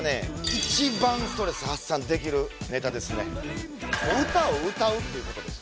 一番ストレス発散できるネタですねっていうことです